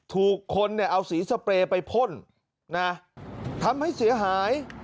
ถูกคนเนี่ยเอาสีสเปรย์ไปพ่นนะทำให้เสียหาย